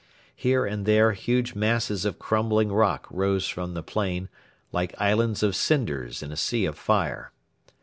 Here and there huge masses of crumbling rock rose from the plain, like islands of cinders in a sea of fire.